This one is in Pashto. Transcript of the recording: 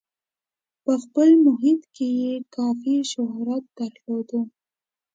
په خپل محیط کې یې کافي شهرت درلود.